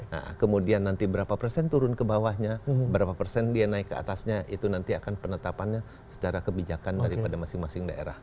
nah kemudian nanti berapa persen turun ke bawahnya berapa persen dia naik ke atasnya itu nanti akan penetapannya secara kebijakan daripada masing masing daerah